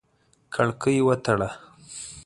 کړکۍ وتړه!